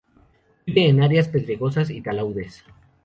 Vive en áreas pedregosas y taludes.